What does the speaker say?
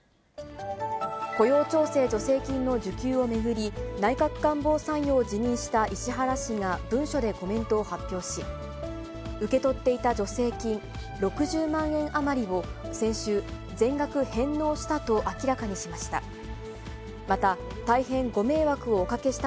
雇用調整助成金の受給を巡り、内閣官房参与を辞任した石原氏が文書でコメントを発表し、受け取っていた助成金６０万円余りを先週、全額返納したと明らかにしました。